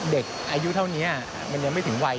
เด็กอายุเท่านี้มันยังไม่ถึงวัย